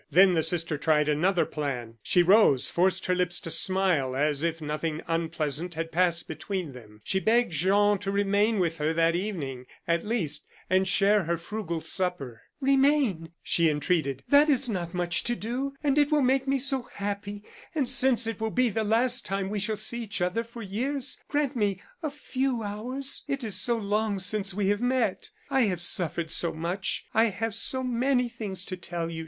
Then the sister tried another plan. She rose, forced her lips to smile, and as if nothing unpleasant had passed between them, she begged Jean to remain with her that evening, at least, and share her frugal supper. "Remain," she entreated; "that is not much to do and it will make me so happy. And since it will be the last time we shall see each other for years, grant me a few hours. It is so long since we have met. I have suffered so much. I have so many things to tell you!